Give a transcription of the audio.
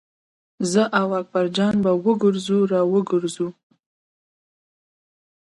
زه او اکبر جان به وګرځو را وګرځو.